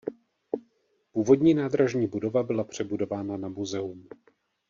Původní nádražní budova byla přebudována na muzeum.